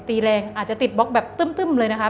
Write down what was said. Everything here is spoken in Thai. แรงอาจจะติดบล็อกแบบตึ้มเลยนะคะ